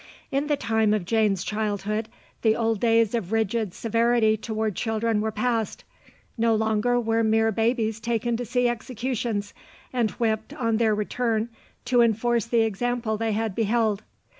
In the time of Jane's childhood the old days of rigid severity toward children were past, no longer were mere babies taken to see executions and whipped on their return to enforce the example they had beheld.